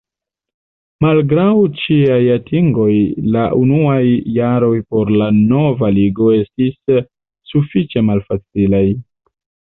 Malgraŭ ĉiaj atingoj la unuaj jaroj por la nova Ligo estis sufiĉe malfacilaj.